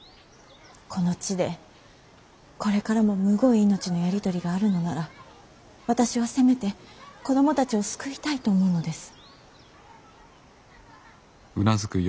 この地でこれからもむごい命のやり取りがあるのなら私はせめて子供たちを救いたいと思うのです。